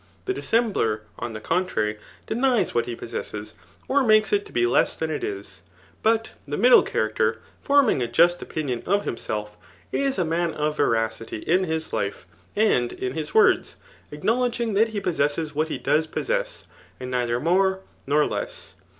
The dissembler, on the contrary, deniei^ what he possesses, or makes it to be less tb;m it is. But ^ middle character, forming a just opinion of bimselfy is a man of veracity in his life, and in his words, acknow* ledging that he possesses what he does possess, and aeither more nor less.